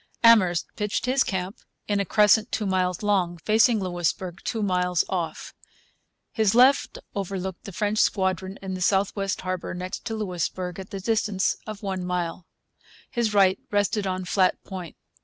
Amherst pitched his camp in a crescent two miles long, facing Louisbourg two miles off. His left overlooked the French squadron in the south west harbour next to Louisbourg at the distance of a mile. His right rested on Flat Point.